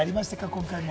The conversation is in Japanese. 今回も。